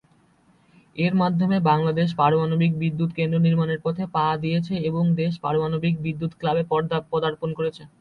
এর মাধ্যমে বাংলাদেশ পারমাণবিক বিদ্যুৎকেন্দ্র নির্মাণের পথে পা দিয়েছে এবং দেশ পারমাণবিক বিদ্যুৎ ক্লাবে পদার্পণ করেছে।